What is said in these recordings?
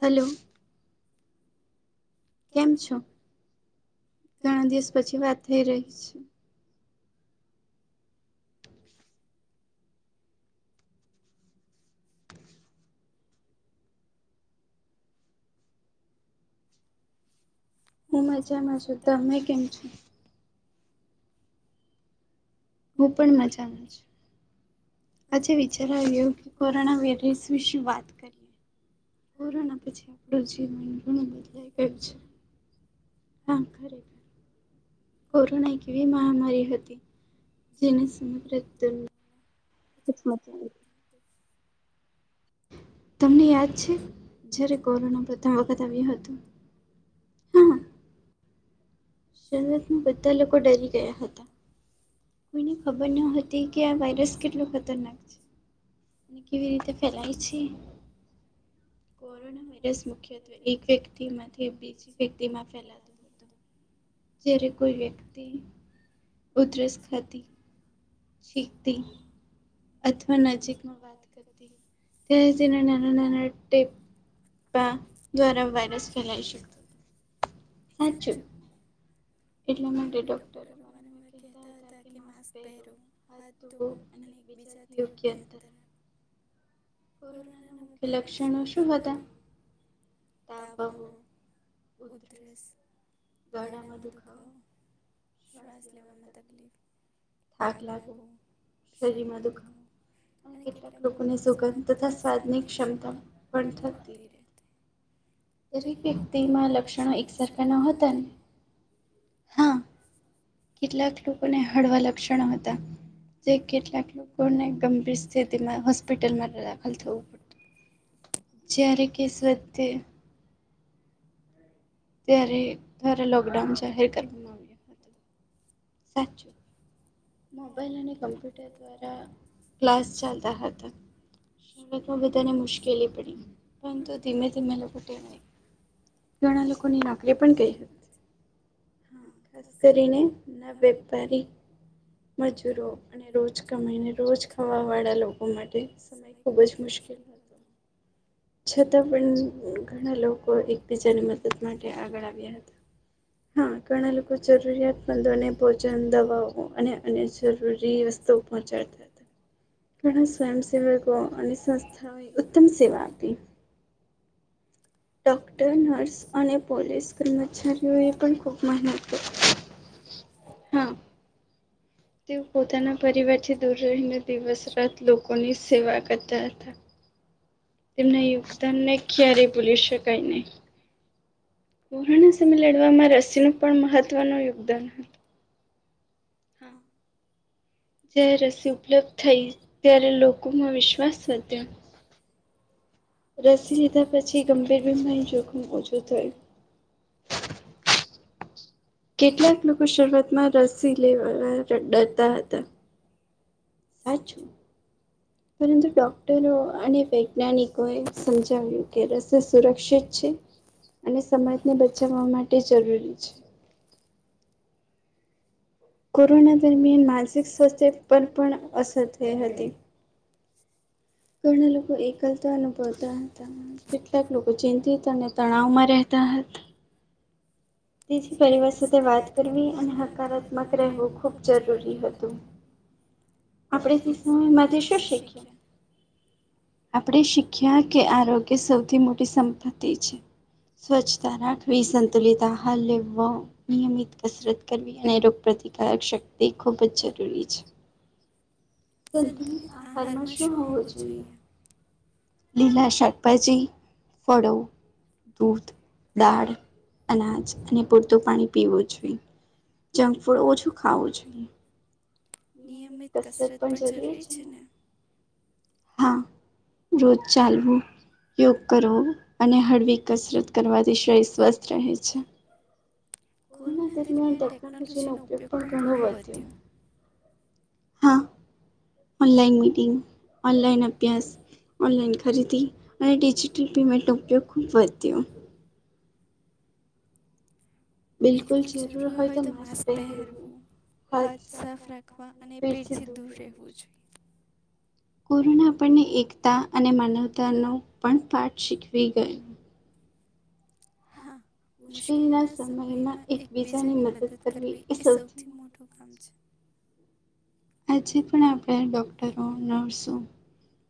Hello કેમ છો ઘણા દિવસ પછી વાત થઈ રહી છે હું મજામાં છું તમે કેમ છો હું પણ મજામાં છ આજે વિચાર આયો કે કોરોના વેરયસ વિશે વાત કરી કોરોના પછી આપણું જીવન ઘણું બદલાઈ ગયું છે [unintelligible] કોરોના એક એવી મહામારી હતી જેને સમગ્ર [unintelligible] [inaudible] તમને યાદ છે જ્યારે કોરોના પ્રથમ વખત આવ્યું હતું હા શરૂઆત માં બધા લોકો ડરી ગયા હતા કોઈને ખબર ન હતી કે આ વાયરસ કેટલો ખતરનાક છે ને કેવી રીતે ફેલાય છે કોરોના વાયરસ મુખ્યત્વે એક વ્યક્તિમાંથી બીજી વ્યક્તિમાં ફેલાશે જ્યારે કોઈ વ્યક્તિ ઉધરસ ખાતી છીક તી અથવા નજીકમાં વાત કરતી ત્યારે તેના નાના નાના ટે ટા વાયરસ ફેલાઈ શક સાચુ એટલા માટે ડોક્ટરો વારંવાર કહેતા હતા કે માસ્ક પહેરો હાથ થોવો અને એકબીજાથી યોગ્ય અંતર રાકો કોરોનાના મુખ્ય લક્ષણો શું હતા તાવ આવ વો ઉધરસ ગાળામાં દુખાવો શ્વાસ લેવાવામાં તકલીફ થાક લાગવો શરીરમાં દુખાવો અને કેટલાક લોકોને સુગંધ તથા સ્વાધની ક્ષ્ષમતા [unintelligible] દરેક વ્યક્તિમાં લક્ષણો એકસરખા નો હત હા કેટલાક લોકોને હળવા લક્ષણો હતા. જે કેટલાક લોકોને ગંભીર સ્થિતિમાં હોસ્પિટલમાં રહ્યા. [unintelligible] જ્યારે કેસ વધતે ત્યારે [unintelligible] લોકડાઉન જાહેર કર સાચું. મોબાઈલ અને કમ્પ્યુટર દ્વારા ક્લાસ ચાલતા હતા. શરૂઆતમાં બધાને મુશ્કેલી પડી, પરંતુ ધીમે-ધીમે લોકો ટેવાઈ ગયા. ઘણા લોકોની નોકરી પણ ગઈ હતી. હા. ખાસ કરીને ના વેપારી મજૂરો અને રોજ કમાઈને રોજ ખાવાવાળા લોકો માટે સમય ખૂબ જ મુશ્કેલ હતું. છતાં પણ ઘણા લોકો એકબીજાની મદદ માટે આગળ આવ્યા હતા. હા. ઘણા લોકો જરૂરિયામંદોને, ભોજન, દવાઓ અને ને જરૂરી વસ્તુ પહોચાડતા હતા. ઘણા સ્વયંસેવકો કો અને સંસ્થાઓએ ઉત્તમ સેવા આપી. ડોક્ટર, નર્સ અને પોલીસ કર્મચારીઓએ પણ ખૂબ મહેનત કરી. હા. તેઓ પોતાના પરિવારથી દૂર રહીને દિવસ રાત લોકોની સેવા કરતા હતા. તેમના યોગદાન ને ક્યારેય ભૂલી શકાય નહી. કોરાના સમયે લડવામાં રસીનું પણ મહત્વનું યોગદાન [unintelligible] હા. જ્યારે રસી ઉપલબ્ધ થઈ ત્યારે લોકોમાં વિશ્વાસ વધ્યો. રસી લીધા પછી ગંભીર બીમારી જોખમ ઓછું થયું. કેટલાક લોકો શરૂઆત માં રસી લેવા ડરતા હતા. સાચું. પરંતુ ડોક્ટરો અને વૈજ્ઞાનિકોએ સમજાવ્યું કે રસી સુરક્ષિત છે, અને સમાજને બચાવવા માટે જરૂરી છે. કોરોના દરમિયાન માનસિક સ્વાસ્થ્ય પર પણ અસર થઈ હતી. [inaudible] ઘણા લોકો એકલતા અનુભવતા હતા. કેટલાક લોકો ચિંતિત અને તણાવમાં રહેતા હતા. તેથી પરિવાર સાથે વાત કરવી અને હકારાત્મક રહેવું ખૂબ જરૂરી હતું. આપણે તે સમયમાંથી શું શીખ્યા? આપણે શીખ્યા કે આરોગ્ય સૌથી મોટી સંપત્તિ છે. સ્વચ્છતા રાખવી, સંતુલિત આહાર લેવો નિયમિત કસરત કરવી, અને રોગપ્રતિકારક શક્તિ ખૂબ જ જરૂરી છે. સંતુલિત આહારમાં શું હોવું જોઈએ? લીલા શાકભાજી, ફળો, દૂધ દાળ, અનાજ ને પૂરતું પાણી પીવું જોઈએ. જંક ફૂડ ઓછું ખાવું જોઈએ. નિયમિત કસરત પણ જરૂરી છે ને? હા. રોજ ચાલવું યોગ કરવો, અને હળવી કસરત કરવાથી શરીર સ્વસ્થ રહે છે. કોરોના દરમિયાન ટેકનોલોજીનો ઉપયોગ પણ ઘણો વધ્યો. હા. લાઈન મીટિંગ, ઓનલાઈન અભ્યાસ, ઓનલાઈન ખરીદી અને ડિજિટલ પેમેન્ટનો ઉપયોગ ખૂબ વધ્યો. બિલકુલ. જરૂર હોય તો માસ્ક પહેરવું. હાથ સાફ રાખવા અને પેટથી દૂર રહેવું જોઈએ. કોરોના આપણને એકતા અને માનવતાનો પણ પાઠ શીખવી ગયો. હા. મુશ્કેલીના સમયમાં એકબીજાની મદદ કરવી એ સૌથી મોટું કામ છે. આજે પણ આપણા ડૉક્ટરો નર્સો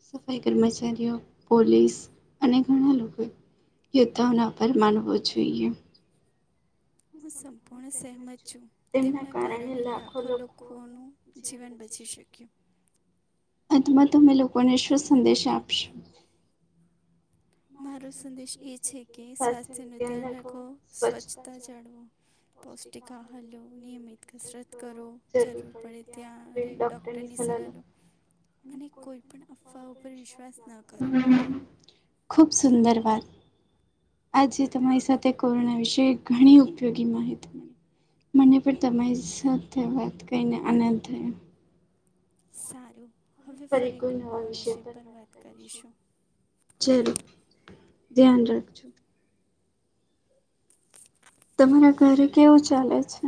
સફાઈ કર્મચારીઓ પોલીસ અને ઘણા લોકો યોદ્ધાઓનો આભાર માનવો જોઈએ. હું સંપૂર્ણ સહમત છું. તેમના કારણે લાખો લોકોનું જીવન બચી શક્યું. અંતમાં તમે લોકોને શું સંદેશ આપશો મારો સંદેશ એ છે કે સ્વાસ્થ્યનું ધ્યાન રાખવો સ્વચ્છતા જાળવો પૌષ્ટિક આહર લો નિયમિત કસરત કરો જરૂર પડે ત્યારે ડોક ડોક્ટર ની સલાહ લો. અને કોઈ પણ અફવા ઉપર વિશ્વાસ ન કરો. ખૂબ સુંદર વાત. આજે તમારી સાથે કોરોના વિશે ઘણી ઉપયોગી માહિતી મળી. મને પણ તમારી સાથે વાત કરીને આનંદ થયો. સારું હવે ફરી કોઈ નવા વિષય પર વાત કરીશું. જરૂર ધ્યાન રાખજો. તમારા કાયૅ કેવું ચાલે છે.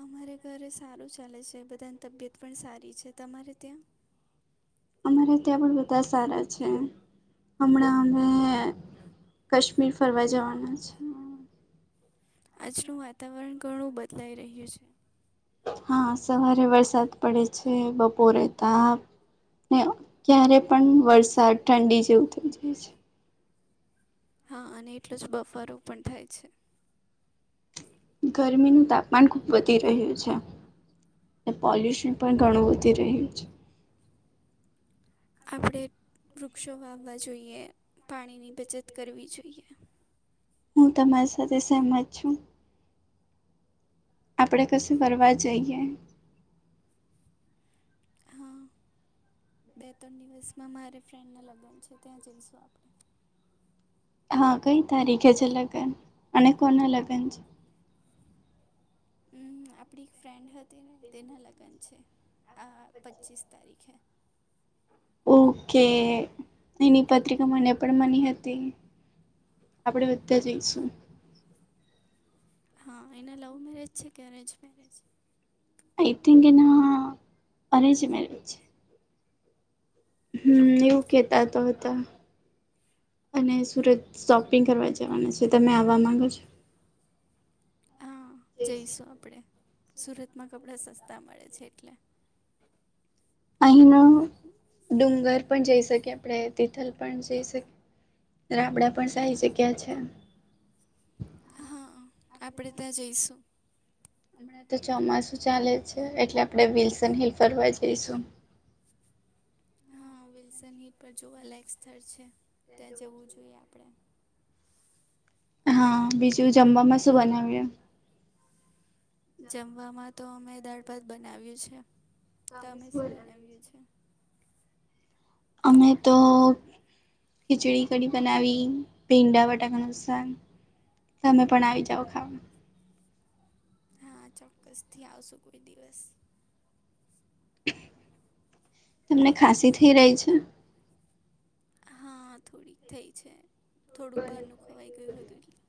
અમારે ઘરે સારું ચાલે છે બધાની તબિયત પણ સારી છે તમારે ત્યાં. અમારે ત્યાં પણ બધા સારા છે હમણાં અમે કાશ્મીર ફરવા જવાના છે. આજનું વાતાવરણ ઘણું બદલાઈ રહ્યું છે. હા સવારે વરસાદ પડે છે બપોરે તાપ ને. ક્યારે પણ વરસાદ ઠંડી જેવું થઈ જાય છે. હા અને એટલો જ બફારો પણ થાય છે. ગરમીનું તાપમાન ખુબ વધી રહ્યું છે અને પોલ્યુશન પણ ઘણું વધી રહ્યું છે. આપણે વૃક્ષો વાવવા જોઈએ પાણીની બચત કરવી જોઈએ. હું તમારી સાથે સહમત છું. આપણે કશી ફરવા જઈએ. [inaudible] બે ત્રણ દિવસમાં મારે ફ્રેન્ડના લગ્ન છે ત્યાં જઈશું આપણે હા કઈ તારીખે છે લગ્ન અને કોના લગ્ન છે. અમ્મ આપડી એક ફ્રેન્ડ હતી ને તેના લગ્ન છે આ પચ્ચીસ તારીખે. ઓકે એની પત્રિકા મને પણ મની હતી. આપણે બધા જઈશું. હા એના લવ મેરેજ છે કે અરેન્જ મેરેજ. આઈ થિન્ક એના અરેન્જ મેરેજ. હમ્મ એવું કેતા તો હતા. અને સુરત શોપિંગ કરવા જવાના છે તમે આવવા માંગો છો. હા જઈશું આપડે. સુરતમાં કપડાં સસ્તા મળે છે એટલે. અહીંનો ડુંગર પણ જઈ શકીએ આપણે તિથલ પણ જઈ શકીએ. રાબડા પણ સારી જગ્યા છે. હા આપડે ત્યાં જઈશું. હમણાં તો ચોમાસું ચાલે છે એટલે આપણે વિલસન હિલ ફરવા જઈશું. હા વિલ્સન હિલ પર જોવું લાયક સ્થળ છે ત્યાં જવું જોઈએ આપણે હા બીજું જમવામાં શું બનાવ્યું. જમવામાં તો અમે દાળ ભાત બનાવ્યું છે તમે શું બનાવ્યું છે. અમે તો. ખીચડી કડી બનાવી ભિડા બટાકાનું શાક. તમે પણ આવી જાઓ ખાવા. હા ચોક્કસ થી આવશુ કોઈ દિવસ હા થોડીક થઈ છે. થોડુંક બહારનું ખવાઈ ગયું હતું એટલે.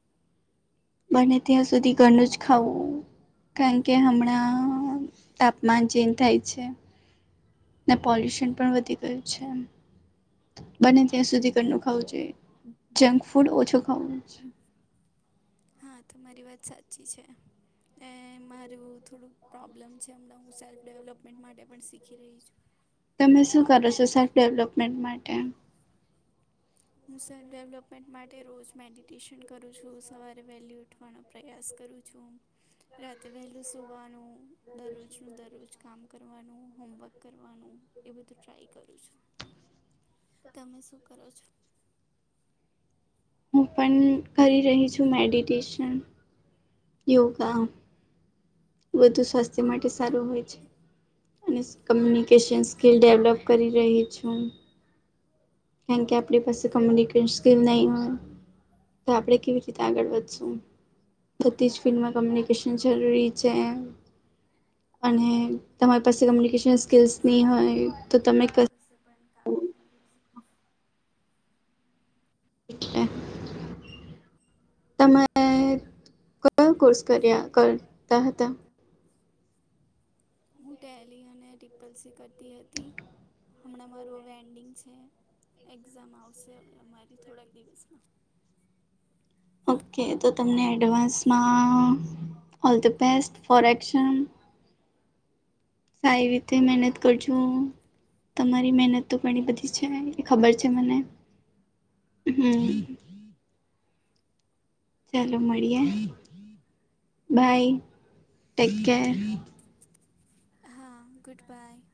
બને ત્યાં સુધી ઘરનું જ ખાવું કારણ કે હમણાં તાપમાન ચેન્જ થાય છે ને પોલ્યુશન પણ વધી [unintelligible] છે. બને ત્યાં સુધી ઘર નું ખાવું જોઈએ જંક ફૂડ ઓછું ખાવું હા તમારી વાત સાચી છે. એ મારું થોડુંક પ્રોબ્લેમ છે હમણાં હું સેલ્ફ ડેવલપમેન્ટ માટે પણ શીખી રહી છું. તમે શું કરો છો સેલ્ફ ડેવલપમેન્ટ માટે. હું સેલ્ફ ડેવલપમેન્ટ માટે રોજ મેડિટેશન કરું છું સવારે વેલ્યુ ઉઠવનું પ્રયાસ કરું છું રાતે વહેલું સુવાનું દરરોજનું દરરોજ કામ કરવાનું હોમવર્ક કરવાનું એ બધું ટ્રાય કરું છું. તમે શું કરો છો. હું પણ કરી રહી છું મેડિટેશન યોગા. વધુ સ્વાસ્થ્ય માટે સારું હોય છે. અને કમ્યુનિકેશન સ્કિલ ડેવલપ કરી રહી છું. કારણ કે આપણી પાસે કોમ્યુનિકેશન સ્કીલ નહીં હોય. તો આપણે કેવી રીતે આગળ વધશું બધી જ ફિલ્ડમાં કમ્યુનિકેશન જરૂરી છે. અને તમારી પાસે કમ્યુનિકેશન સ્કિલ્સ નહીં હોય તો તમે ક [unintelligible] તમાર તમારે કયો કોર્સ કર્યા કરતા હતા. હું ટેલી અને ત્રીપલ સી કરતી હતી. હમણાં મારું હવે એન્ડિંગ છે એક્ઝામ આવશે હવે અમારી થોડાક દિવસમાં ઓકે તો તમને એડવાન્સમાં all the best for action સારી રીતે મહેનત કર જો. તમારી મહેનત તો ઘણી બધી છે એ ખબર છે મને હમ્મ. ચાલો મળીએે બાય ટેક કેર. હા ગુડ બાય.